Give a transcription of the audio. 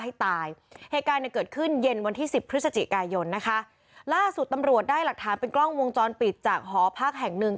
เหตุการณ์เนี่ยเกิดขึ้นเย็นวันที่สิบพฤศจิกายนนะคะล่าสุดตำรวจได้หลักฐานเป็นกล้องวงจรปิดจากหอพักแห่งหนึ่ง